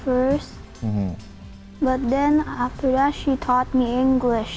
tapi setelah itu dia mengajar saya bahasa inggris